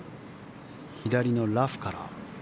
左のラフから。